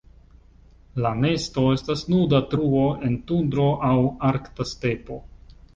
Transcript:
La nesto estas nuda truo en tundro aŭ arkta stepo.